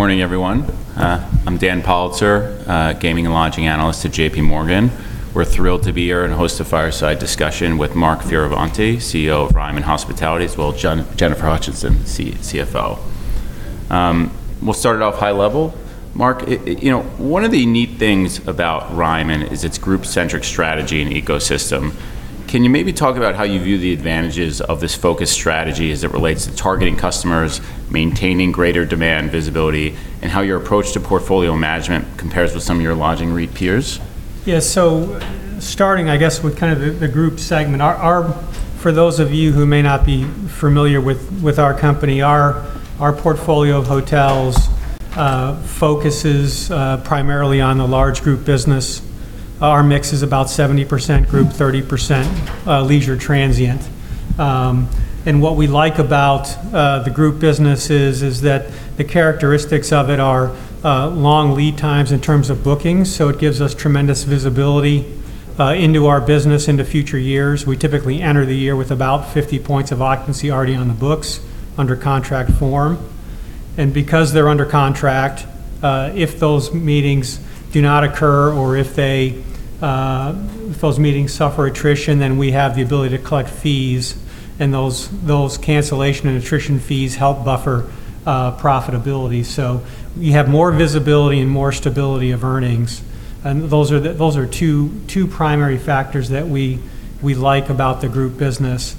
Good morning, everyone. I'm Dan Politzer, gaming and lodging analyst at JPMorgan. We're thrilled to be here and host a fireside discussion with Mark Fioravanti, CEO of Ryman Hospitality, as well Jennifer Hutcheson, CFO. We'll start it off high level. Mark, one of the neat things about Ryman is its group-centric strategy and ecosystem. Can you maybe talk about how you view the advantages of this focused strategy as it relates to targeting customers, maintaining greater demand visibility, and how your approach to portfolio management compares with some of your lodging REIT peers? Yes, starting, I guess, with the group segment. For those of you who may not be familiar with our company, our portfolio of hotels focuses primarily on the large group business. Our mix is about 70% group, 30% leisure transient. What we like about the group business is that the characteristics of it are long lead times in terms of bookings, it gives us tremendous visibility into our business into future years. We typically enter the year with about 50 points of occupancy already on the books under contract form. Because they're under contract, if those meetings do not occur or if those meetings suffer attrition, we have the ability to collect fees, those cancellation and attrition fees help buffer profitability. We have more visibility and more stability of earnings. Those are two primary factors that we like about the group business.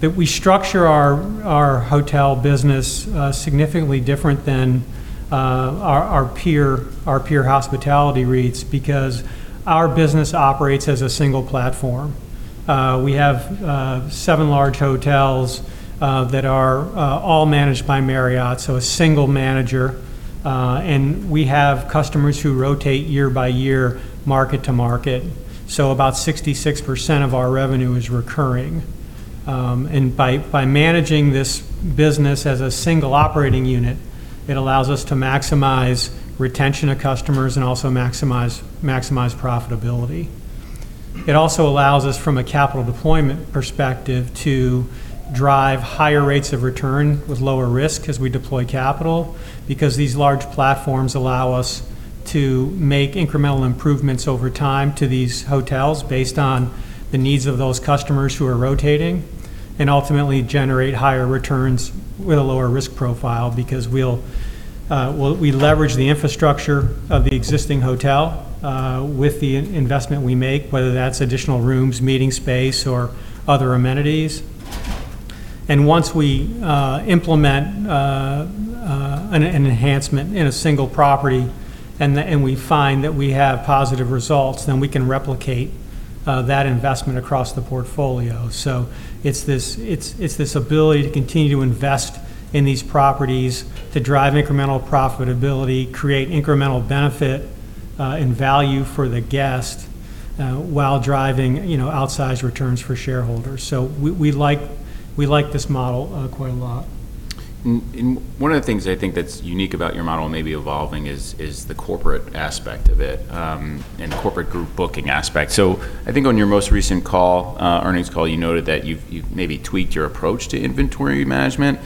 That we structure our hotel business significantly different than our peer hospitality REITs because our business operates as a single platform. We have seven large hotels that are all managed by Marriott, so a single manager. We have customers who rotate year by year, market to market. About 66% of our revenue is recurring. By managing this business as a single operating unit, it allows us to maximize retention of customers and also maximize profitability. It also allows us, from a capital deployment perspective, to drive higher rates of return with lower risk as we deploy capital, because these large platforms allow us to make incremental improvements over time to these hotels based on the needs of those customers who are rotating, and ultimately generate higher returns with a lower risk profile because we leverage the infrastructure of the existing hotel with the investment we make, whether that's additional rooms, meeting space, or other amenities. Once we implement an enhancement in a single property and we find that we have positive results, then we can replicate that investment across the portfolio. It's this ability to continue to invest in these properties to drive incremental profitability, create incremental benefit and value for the guest, while driving outsized returns for shareholders. We like this model quite a lot. One of the things I think that's unique about your model maybe evolving is the corporate aspect of it, and corporate group booking aspect. I think on your most recent earnings call, you noted that you've maybe tweaked your approach to inventory management.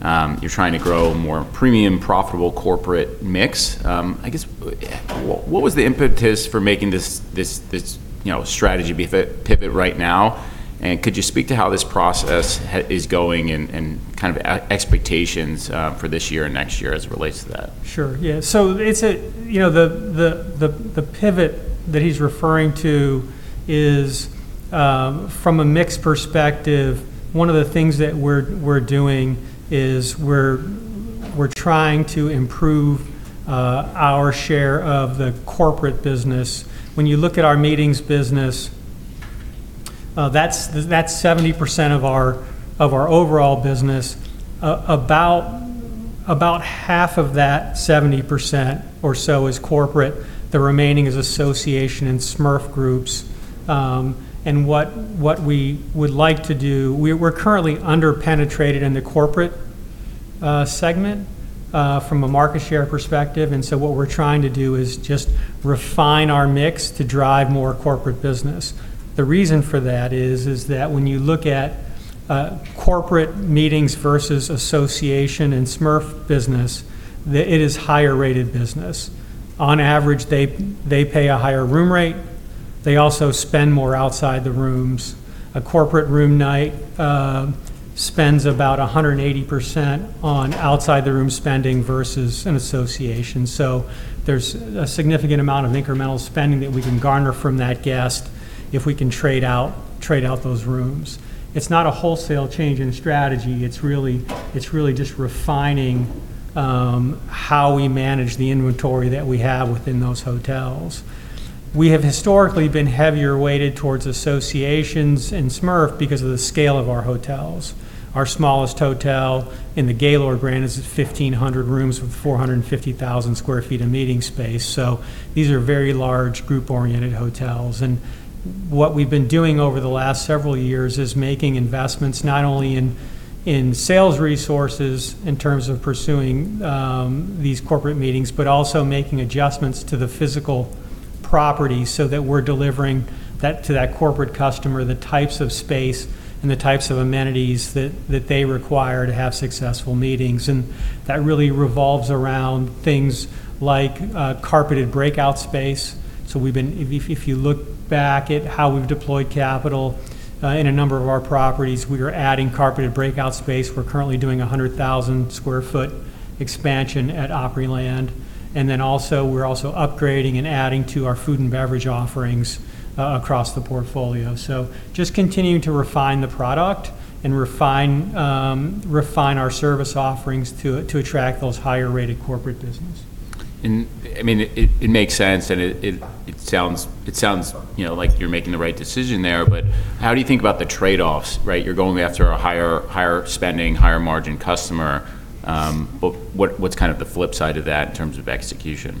You're trying to grow a more premium, profitable corporate mix. I guess, what was the impetus for making this strategy pivot right now? Could you speak to how this process is going and expectations for this year and next year as it relates to that? Sure. Yeah. The pivot that he's referring to is, from a mix perspective, one of the things that we're doing is we're trying to improve our share of the corporate business. When you look at our meetings business, that's 70% of our overall business. About half of that 70% or so is corporate. The remaining is association and SMERF groups. What we would like to do, we're currently under-penetrated in the corporate segment from a market share perspective. What we're trying to do is just refine our mix to drive more corporate business. The reason for that is that when you look at corporate meetings versus association and SMERF business, it is higher-rated business. On average, they pay a higher room rate. They also spend more outside the rooms. A corporate room night spends about 180% on outside-the-room spending versus an association. There's a significant amount of incremental spending that we can garner from that guest if we can trade out those rooms. It's not a wholesale change in strategy. It's really just refining how we manage the inventory that we have within those hotels. We have historically been heavier weighted towards associations and SMERF because of the scale of our hotels. Our smallest hotel in the Gaylord Hotels is 1,500 rooms with 450,000 square feet of meeting space. These are very large group-oriented hotels. What we've been doing over the last several years is making investments not only in sales resources in terms of pursuing these corporate meetings, but also making adjustments to the physical properties so that we're delivering to that corporate customer the types of space and the types of amenities that they require to have successful meetings. That really revolves around things like carpeted breakout space. If you look back at how we've deployed capital in a number of our properties, we are adding carpeted breakout space. We're currently doing 100,000 square foot expansion at Opryland. Also, we're also upgrading and adding to our food and beverage offerings across the portfolio. Just continuing to refine the product and refine our service offerings to attract those higher-rated corporate business. It makes sense, and it sounds like you're making the right decision there, but how do you think about the trade-offs? You're going after a higher spending, higher margin customer. What's the flip side of that in terms of execution?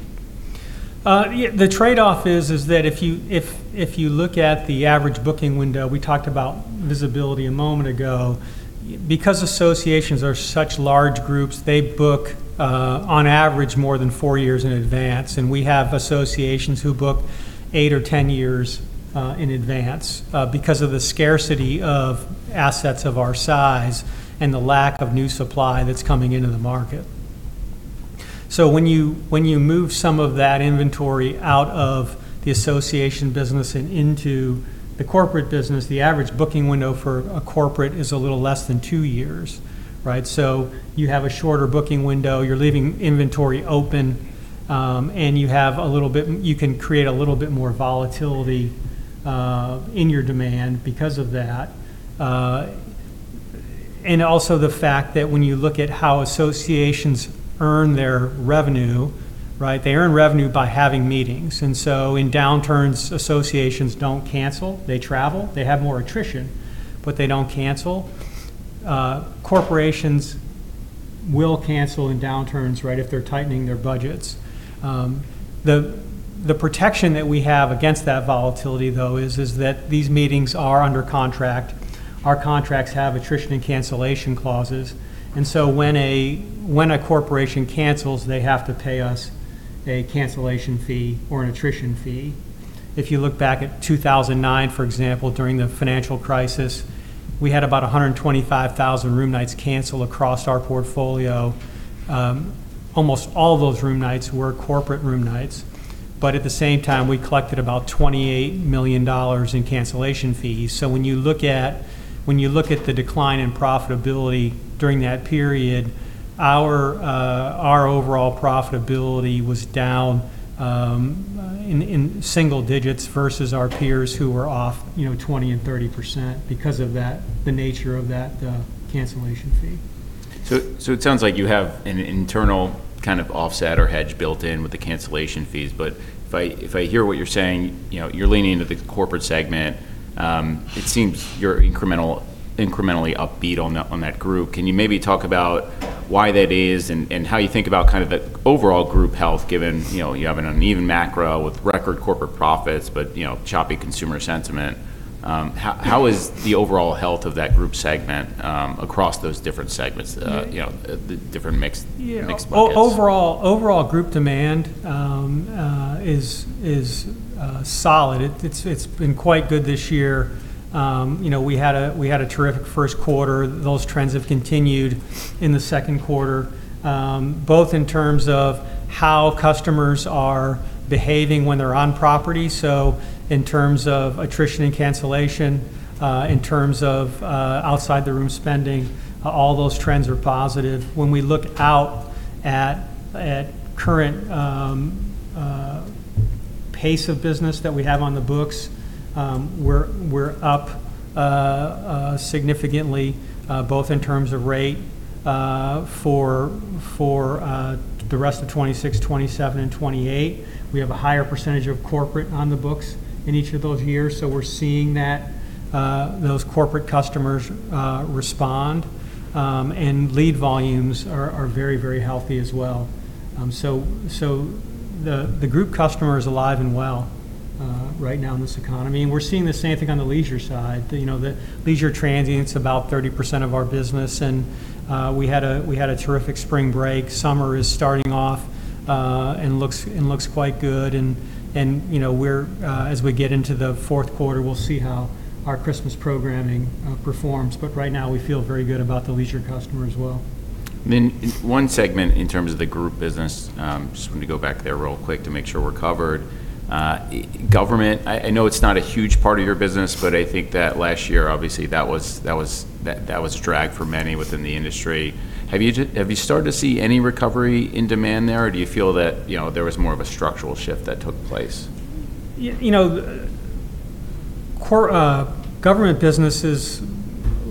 The trade-off is that if you look at the average booking window, we talked about visibility a moment ago, because associations are such large groups, they book, on average, more than four years in advance. We have associations who book eight or 10 years in advance because of the scarcity of assets of our size and the lack of new supply that's coming into the market. When you move some of that inventory out of the association business and into the corporate business, the average booking window for a corporate is a little less than two years. You have a shorter booking window, you're leaving inventory open, and you can create a little bit more volatility in your demand because of that. Also the fact that when you look at how associations earn their revenue, they earn revenue by having meetings, so in downturns, associations don't cancel. They travel. They have more attrition, but they don't cancel. Corporations will cancel in downturns if they're tightening their budgets. The protection that we have against that volatility, though, is that these meetings are under contract. Our contracts have attrition and cancellation clauses, so when a corporation cancels, they have to pay us a cancellation fee or an attrition fee. If you look back at 2009, for example, during the financial crisis, we had about 125,000 room nights canceled across our portfolio. Almost all of those room nights were corporate room nights, but at the same time, we collected about $28 million in cancellation fees. When you look at the decline in profitability during that period, our overall profitability was down in single digits versus our peers who were off 20% and 30% because of the nature of that cancellation fee. It sounds like you have an internal offset or hedge built in with the cancellation fees. If I hear what you're saying, you're leaning into the corporate segment. It seems you're incrementally upbeat on that group. Can you maybe talk about why that is and how you think about the overall group health, given you have an uneven macro with record corporate profits, but choppy consumer sentiment. How is the overall health of that group segment across those different segments, the different mixed buckets? Overall group demand is solid. It's been quite good this year. We had a terrific first quarter. Those trends have continued in the second quarter, both in terms of how customers are behaving when they're on property. In terms of attrition and cancellation, in terms of outside the room spending, all those trends are positive. When we look out at current pace of business that we have on the books, we're up significantly both in terms of rate for the rest of 2026, 2027, and 2028. We have a higher percentage of corporate on the books in each of those years, so we're seeing those corporate customers respond, and lead volumes are very healthy as well. The group customer is alive and well right now in this economy, and we're seeing the same thing on the leisure side. The leisure transient's about 30% of our business, and we had a terrific spring break. Summer is starting off and looks quite good. As we get into the fourth quarter, we'll see how our Christmas programming performs, but right now we feel very good about the leisure customer as well. One segment in terms of the group business, just want to go back there real quick to make sure we're covered. Government, I know it's not a huge part of your business, but I think that last year, obviously that was a drag for many within the industry. Have you started to see any recovery in demand there, or do you feel that there was more of a structural shift that took place? Government business is a little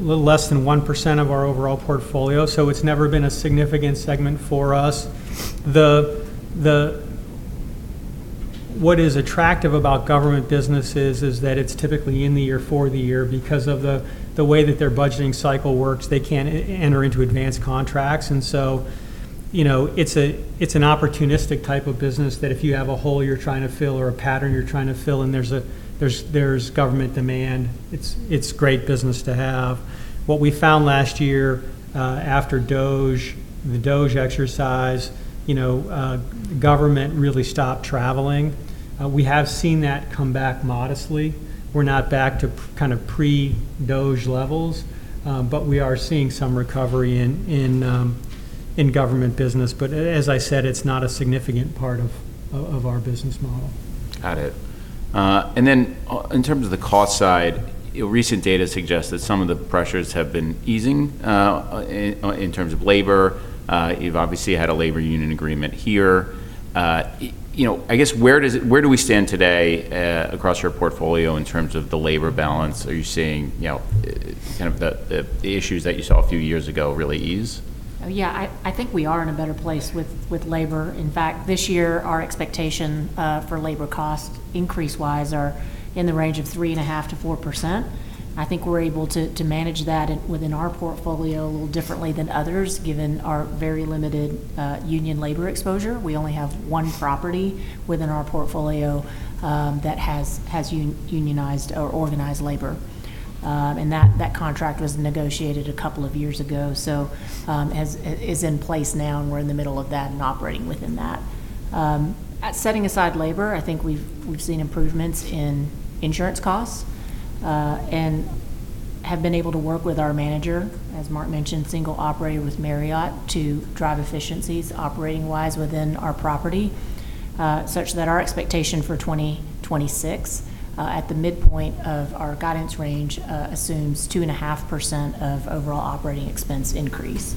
less than 1% of our overall portfolio, so it's never been a significant segment for us. What is attractive about government business is that it's typically in the year for the year. Because of the way that their budgeting cycle works, they can't enter into advanced contracts. It's an opportunistic type of business that if you have a hole you're trying to fill or a pattern you're trying to fill and there's government demand, it's great business to have. What we found last year, after the DOGE exercise, government really stopped traveling. We have seen that come back modestly. We're not back to pre-DOGE levels, but we are seeing some recovery in government business. As I said, it's not a significant part of our business model. Got it. In terms of the cost side, recent data suggests that some of the pressures have been easing in terms of labor. You've obviously had a labor union agreement here. I guess, where do we stand today across your portfolio in terms of the labor balance? Are you seeing the issues that you saw a few years ago really ease? Yeah, I think we are in a better place with labor. This year our expectation for labor cost increase-wise are in the range of 3.5%-4%. I think we're able to manage that within our portfolio a little differently than others, given our very limited union labor exposure. We only have one property within our portfolio that has unionized or organized labor. That contract was negotiated a couple of years ago. Is in place now, and we're in the middle of that and operating within that. Setting aside labor, I think we've seen improvements in insurance costs, and have been able to work with our manager, as Mark mentioned, single operator with Marriott, to drive efficiencies operating-wise within our property. Such that our expectation for 2026, at the midpoint of our guidance range, assumes 2.5% of overall operating expense increase.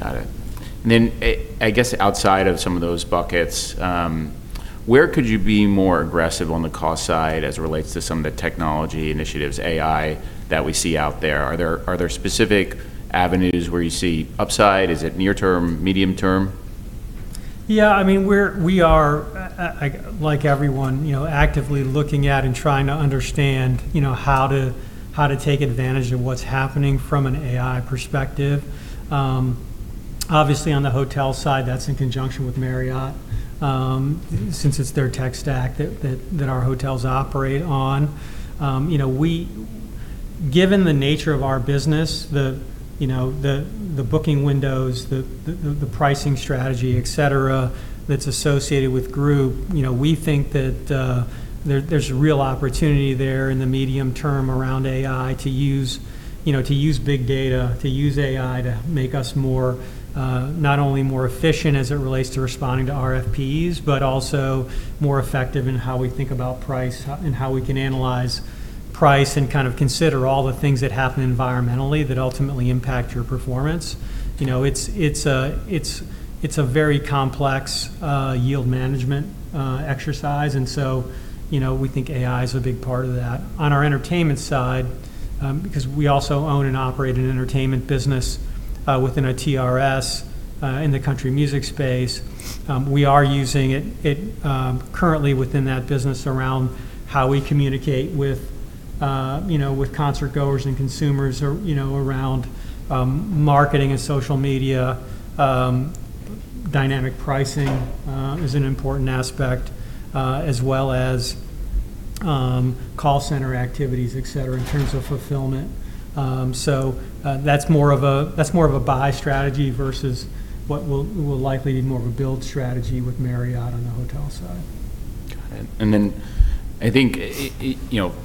Got it. I guess outside of some of those buckets, where could you be more aggressive on the cost side as it relates to some of the technology initiatives, AI, that we see out there? Are there specific avenues where you see upside? Is it near term, medium term? Yeah, we are, like everyone, actively looking at and trying to understand how to take advantage of what's happening from an AI perspective. Obviously, on the hotel side, that's in conjunction with Marriott, since it's their tech stack that our hotels operate on. Given the nature of our business, the booking windows, the pricing strategy, et cetera, that's associated with group, we think that there's real opportunity there in the medium term around AI to use big data, to use AI to make us not only more efficient as it relates to responding to RFPs, but also more effective in how we think about price and how we can analyze price and consider all the things that happen environmentally that ultimately impact your performance. It's a very complex yield management exercise. We think AI is a big part of that. On our entertainment side, because we also own and operate an entertainment business within TRS in the country music space, we are using it currently within that business around how we communicate with concertgoers and consumers around marketing and social media. Dynamic pricing is an important aspect, as well as call center activities, et cetera, in terms of fulfillment. That's more of a buy strategy versus what will likely be more of a build strategy with Marriott on the hotel side. Got it. I think,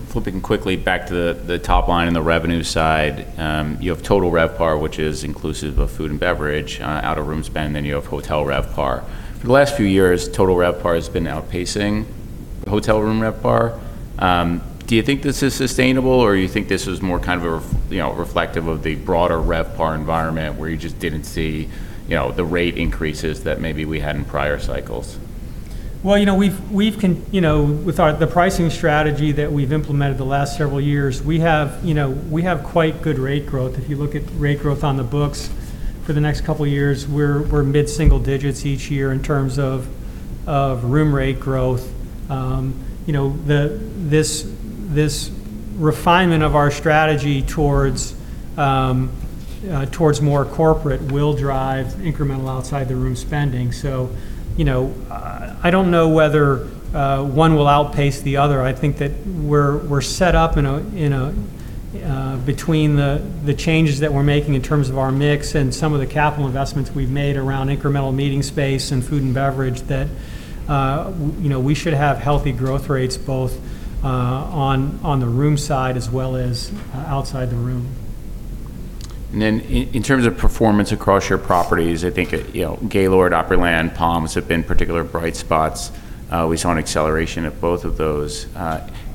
flipping quickly back to the top line and the revenue side, you have total RevPAR, which is inclusive of food and beverage, out-of-room spend, then you have hotel RevPAR. For the last few years, total RevPAR has been outpacing hotel room RevPAR. Do you think this is sustainable, or you think this is more reflective of the broader RevPAR environment where you just didn't see the rate increases that maybe we had in prior cycles? Well, with the pricing strategy that we've implemented the last several years, we have quite good rate growth. If you look at rate growth on the books for the next couple of years, we're mid-single digits each year in terms of room rate growth. This refinement of our strategy towards more corporate will drive incremental outside-the-room spending. I don't know whether one will outpace the other. I think that we're set up between the changes that we're making in terms of our mix and some of the capital investments we've made around incremental meeting space and food and beverage that we should have healthy growth rates both on the room side as well as outside the room. In terms of performance across your properties, I think Gaylord, Opryland, Palms have been particular bright spots. We saw an acceleration of both of those.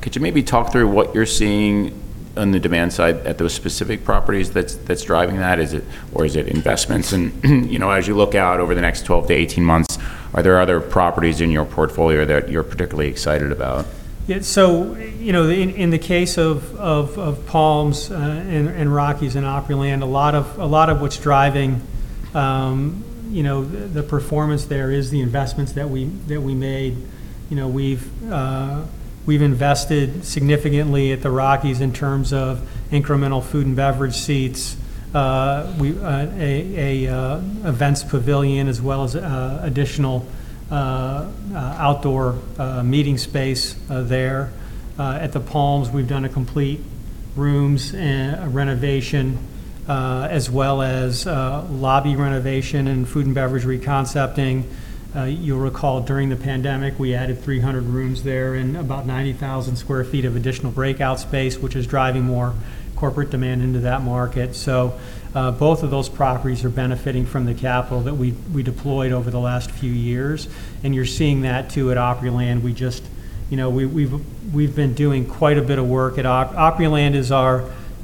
Could you maybe talk through what you're seeing on the demand side at those specific properties that's driving that? Or is it investments? As you look out over the next 12-18 months, are there other properties in your portfolio that you're particularly excited about? Yeah. In the case of Palms and Rockies and Opryland, a lot of what's driving the performance there is the investments that we made. We've invested significantly at the Rockies in terms of incremental food and beverage seats, an events pavilion, as well as additional outdoor meeting space there. At the Palms, we've done a complete rooms renovation, as well as a lobby renovation and food and beverage re-concepting. You'll recall, during the pandemic, we added 300 rooms there and about 90,000 sq ft of additional breakout space, which is driving more corporate demand into that market. Both of those properties are benefiting from the capital that we deployed over the last few years, and you're seeing that too at Opryland. We've been doing quite a bit of work. Opryland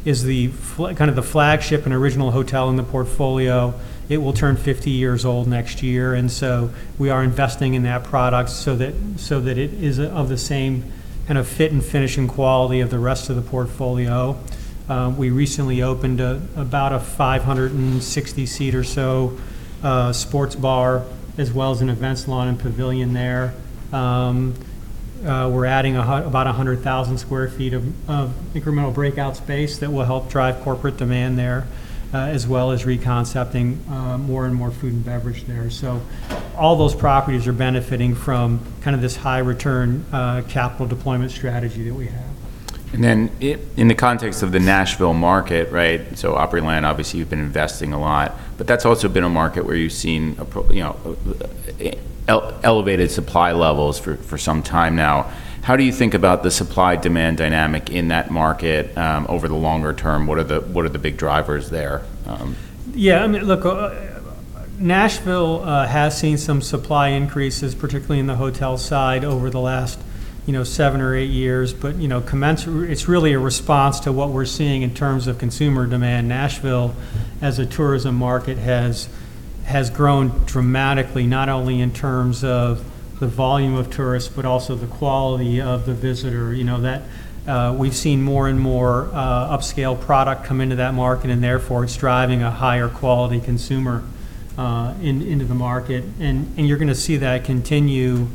is the flagship and original hotel in the portfolio. It will turn 50 years old next year. We are investing in that product so that it is of the same fit and finishing quality of the rest of the portfolio. We recently opened about a 560-seat or so sports bar, as well as an events lawn and pavilion there. We're adding about 100,000 square feet of incremental breakout space that will help drive corporate demand there, as well as re-concepting more and more food and beverage there. All those properties are benefiting from this high-return capital deployment strategy that we have. In the context of the Nashville market, Opryland, obviously, you've been investing a lot. That's also been a market where you've seen elevated supply levels for some time now. How do you think about the supply-demand dynamic in that market over the longer term? What are the big drivers there? Yeah. Nashville has seen some supply increases, particularly in the hotel side, over the last 7 or 8 years. It's really a response to what we're seeing in terms of consumer demand. Nashville, as a tourism market, has grown dramatically, not only in terms of the volume of tourists but also the quality of the visitor. We've seen more and more upscale product come into that market. Therefore, it's driving a higher quality consumer into the market. You're going to see that continue.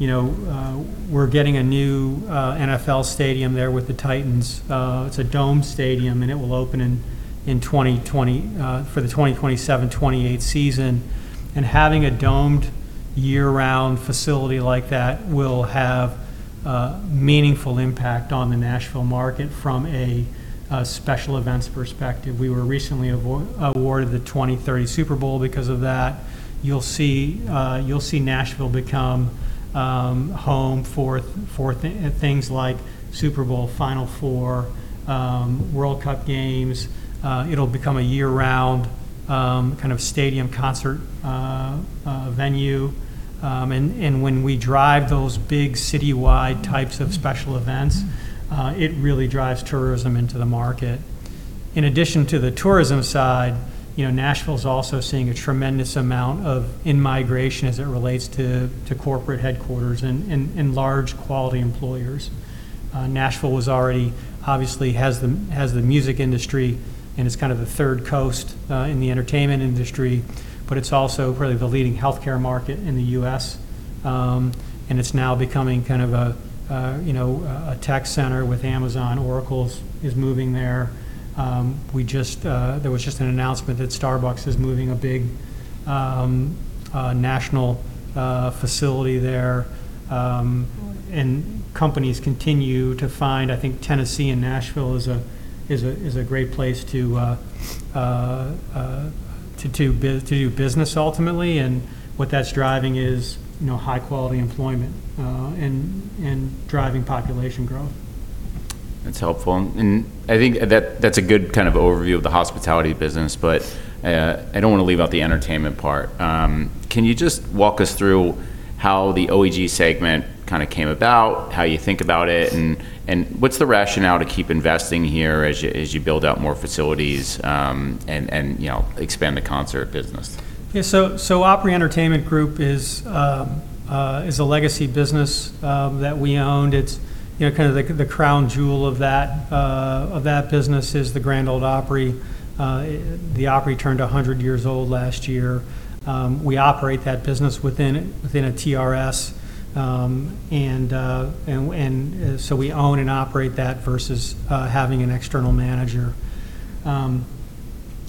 We're getting a new NFL stadium there with the Titans. It's a domed stadium. It will open for the 2027-2028 season. Having a domed year-round facility like that will have a meaningful impact on the Nashville market from a special events perspective. We were recently awarded the 2030 Super Bowl. Because of that, you'll see Nashville become home for things like Super Bowl, Final Four, World Cup games. It'll become a year-round stadium concert venue. When we drive those big citywide types of special events, it really drives tourism into the market. In addition to the tourism side, Nashville's also seeing a tremendous amount of in-migration as it relates to corporate headquarters and large quality employers. Nashville obviously has the music industry, and it's the third coast in the entertainment industry, but it's also probably the leading healthcare market in the U.S., and it's now becoming a tech center with Amazon. Oracle is moving there. There was just an announcement that Starbucks is moving a big national facility there, and companies continue to find, I think, Tennessee and Nashville is a great place to do business ultimately, and what that's driving is high-quality employment, and driving population growth. That's helpful, and I think that's a good overview of the hospitality business, but I don't want to leave out the entertainment part. Can you just walk us through how the OEG segment came about, how you think about it, and what's the rationale to keep investing here as you build out more facilities and expand the concert business? Opry Entertainment Group is a legacy business that we owned. The crown jewel of that business is the Grand Ole Opry. The Opry turned 100 years old last year. We operate that business within a TRS. We own and operate that versus having an external manager.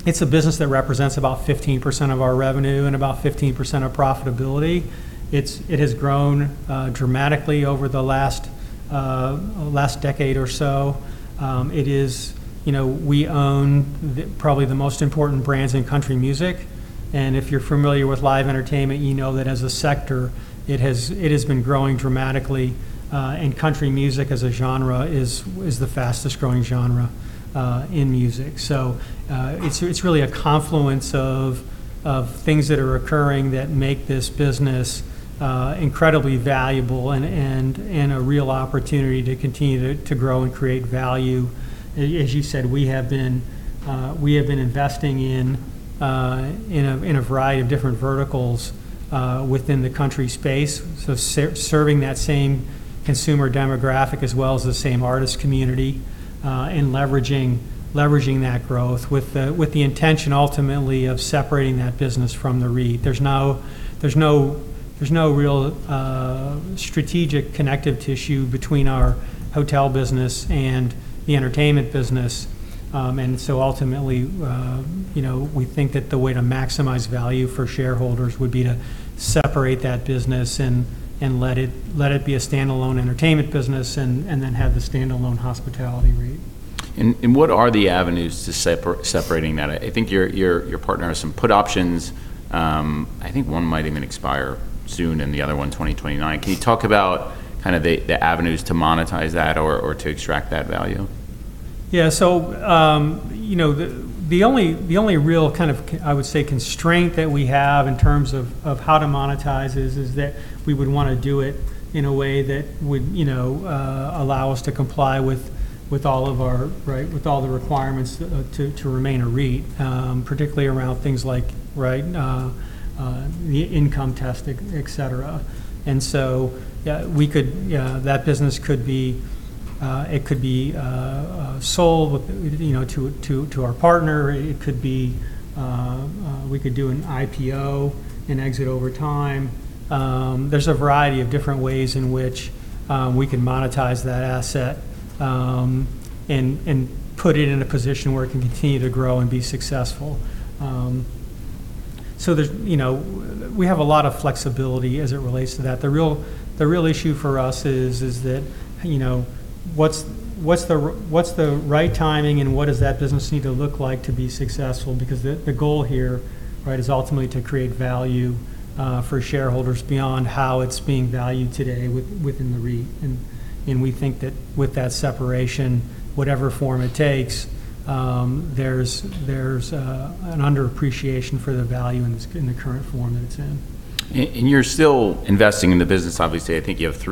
It's a business that represents about 15% of our revenue and about 15% of profitability. It has grown dramatically over the last decade or so. We own probably the most important brands in country music, and if you're familiar with live entertainment, you know that as a sector, it has been growing dramatically, and country music as a genre is the fastest-growing genre in music. It's really a confluence of things that are occurring that make this business incredibly valuable and a real opportunity to continue to grow and create value. As you said, we have been investing in a variety of different verticals within the country space. Serving that same consumer demographic as well as the same artist community, and leveraging that growth with the intention ultimately of separating that business from the REIT. There's no real strategic connective tissue between our hotel business and the entertainment business. Ultimately, we think that the way to maximize value for shareholders would be to separate that business and let it be a standalone entertainment business, and then have the standalone hospitality REIT. What are the avenues to separating that? I think your partner has some put options. I think one might even expire soon and the other one 2029. Can you talk about the avenues to monetize that or to extract that value? Yeah. The only real kind of, I would say, constraint that we have in terms of how to monetize is that we would want to do it in a way that would allow us to comply with all the requirements to remain a REIT, particularly around things like the income test, et cetera. That business could be sold to our partner, we could do an IPO and exit over time. There's a variety of different ways in which we can monetize that asset, and put it in a position where it can continue to grow and be successful. We have a lot of flexibility as it relates to that. The real issue for us is that, what's the right timing and what does that business need to look like to be successful? Because the goal here is ultimately to create value for shareholders beyond how it's being valued today within the REIT. We think that with that separation, whatever form it takes, there's an underappreciation for the value in the current form that it's in. You're still investing in the business, obviously. I think you have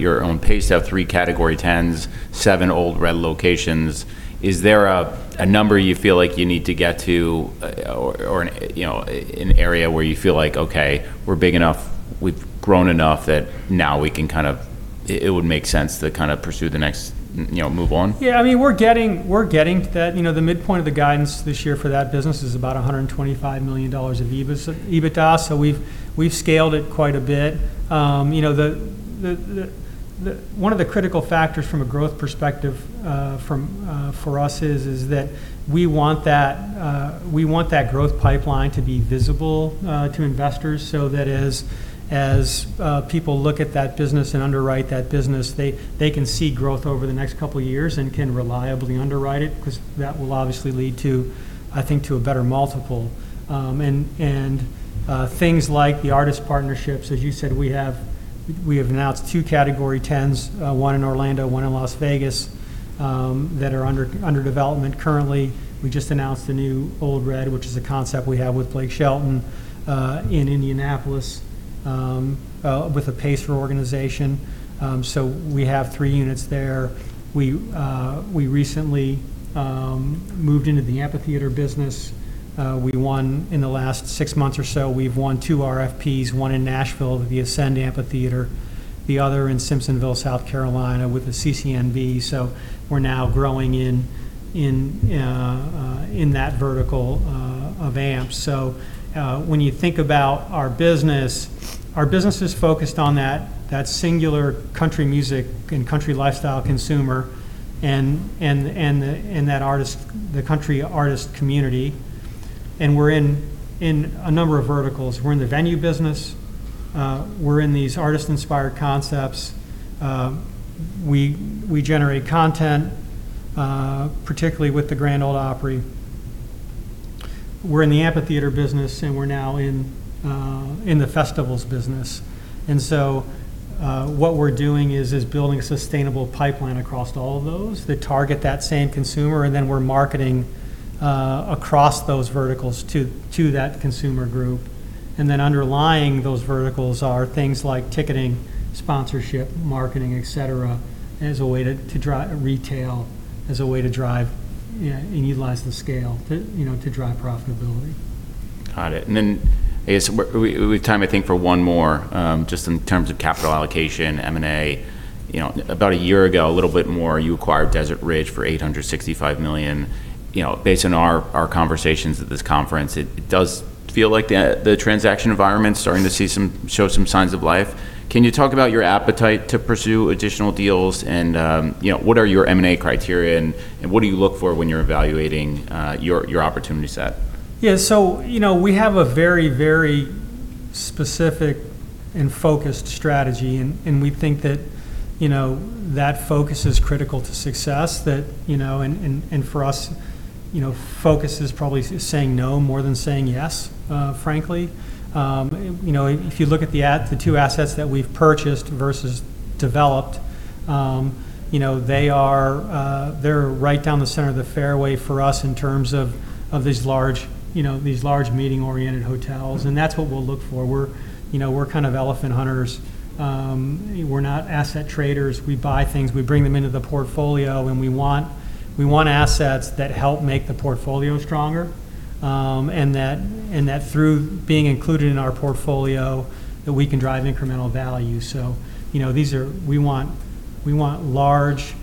your own pace, you have 3 Category 10s, seven Ole Red locations. Is there a number you feel like you need to get to, or an area where you feel like, "Okay, we're big enough, we've grown enough that now it would make sense to pursue the next move on? Yeah, we're getting to that. The midpoint of the guidance this year for that business is about $125 million of EBITDA, so we've scaled it quite a bit. One of the critical factors from a growth perspective for us is that we want that growth pipeline to be visible to investors so that as people look at that business and underwrite that business, they can see growth over the next couple of years and can reliably underwrite it, because that will obviously lead to, I think, to a better multiple. Things like the artist partnerships, as you said, we have announced two Category 10s, one in Orlando, one in Las Vegas, that are under development currently. We just announced the new Ole Red, which is a concept we have with Blake Shelton, in Indianapolis, with a Pacers organization. We have three units there. We recently moved into the amphitheater business. In the last six months or so, we've won two RFPs, one in Nashville with the Ascend Amphitheatre, the other in Simpsonville, South Carolina, with the CCNB Amphitheatre. We're now growing in that vertical of amps. When you think about our business, our business is focused on that singular country music and country lifestyle consumer, and the country artist community, and we're in a number of verticals. We're in the venue business. We're in these artist-inspired concepts. We generate content, particularly with the Grand Ole Opry. We're in the amphitheater business, and we're now in the festivals business. What we're doing is building a sustainable pipeline across all of those that target that same consumer, and then we're marketing across those verticals to that consumer group. Underlying those verticals are things like ticketing, sponsorship, marketing, et cetera, retail as a way to drive and utilize the scale to drive profitability. Got it. We have time, I think, for one more, just in terms of capital allocation, M&A. About a year ago, a little bit more, you acquired Desert Ridge for $865 million. Based on our conversations at this conference, it does feel like the transaction environment's starting to show some signs of life. Can you talk about your appetite to pursue additional deals and what are your M&A criteria, and what do you look for when you're evaluating your opportunity set? Yeah. We have a very specific and focused strategy, and we think that focus is critical to success. For us, focus is probably saying no more than saying yes, frankly. If you look at the two assets that we've purchased versus developed, they're right down the center of the fairway for us in terms of these large meeting-oriented hotels, and that's what we'll look for. We're kind of elephant hunters. We're not asset traders. We buy things, we bring them into the portfolio, and we want assets that help make the portfolio stronger, and that through being included in our portfolio, that we can drive incremental value. We want large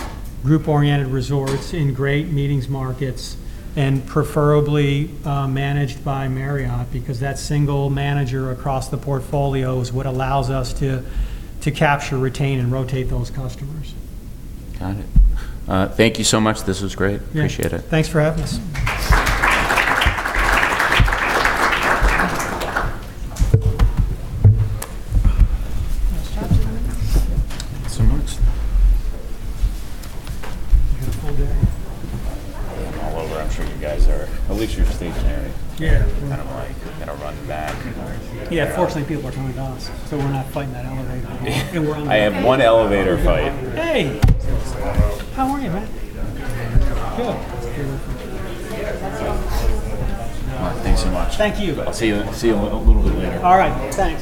group-oriented resorts in great meetings markets, and preferably managed by Marriott, because that single manager across the portfolio is what allows us to capture, retain, and rotate those customers. Got it. Thank you so much. This was great. Yeah. Appreciate it. Thanks for having us. Nice job, gentlemen Thanks so much. You got a full day? I am all over. I'm sure you guys are. At least you're staying in there. Yeah. Kind of like going to run back. Yeah. Fortunately, people are coming to us, so we're not fighting that elevator. I have one elevator fight. Hey, how are you, man? Good. How are you? Good. All right. Thanks so much. Thank you. I'll see you a little bit later. All right. Thanks.